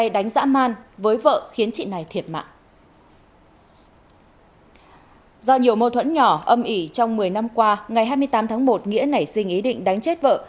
do nhiều mâu thuẫn nhỏ âm ỉ trong một mươi năm qua ngày hai mươi tám tháng một nghĩa nảy sinh ý định đánh chết vợ